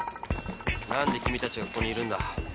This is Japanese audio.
何で君たちがここにいるんだ。